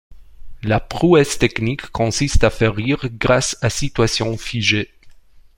La prouesse technique consiste à faire rire grâce à situation figée.